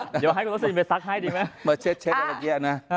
เดี๋ยวให้คุณประสิทธิ์ไปซักให้ดีไหมมาเช็ดอะไรแย่นะ